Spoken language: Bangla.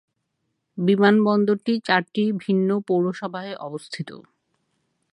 বিমানবন্দরটি চারটি ভিন্ন পৌরসভায় অবস্থিত।